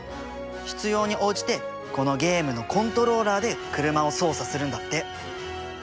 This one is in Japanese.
必要に応じてこのゲームのコントローラーで車を操作するんだって。